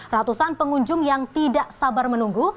ratusan pengunjung yang tidak sabar menunggu